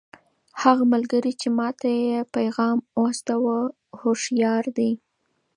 هغه ملګری چې ما ته یې پیغام واستاوه هوښیار دی.